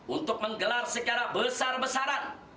untuk menggelar secara besar besaran